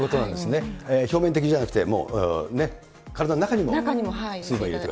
表面的じゃなくて、もう、ね、体の中にも水分を入れて。